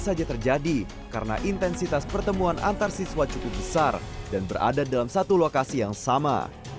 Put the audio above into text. saja terjadi karena intensitas pertemuan antarsiswa cukup besar dan berada dalam satu lokasi yang sama